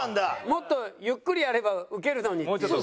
もっとゆっくりやればウケるのにっていう？